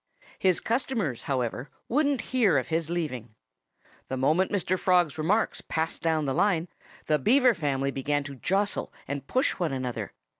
His customers, however, wouldn't hear of his leaving. The moment Mr. Frog's remarks passed down the line, the Beaver family began to jostle and push one another.